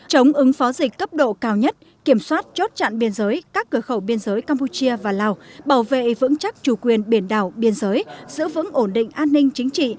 chống ứng phó dịch cấp độ cao nhất kiểm soát chốt chặn biên giới các cửa khẩu biên giới campuchia và lào bảo vệ vững chắc chủ quyền biển đảo biên giới giữ vững ổn định an ninh chính trị